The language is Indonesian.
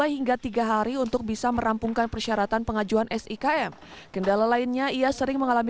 hingga tiga hari untuk bisa merampungkan persyaratan pengajuan sikm kendala lainnya ia sering mengalami